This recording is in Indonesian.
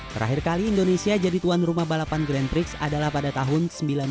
terakhir kali indonesia jadi tuan rumah balapan grand prix adalah pada tahun seribu sembilan ratus sembilan puluh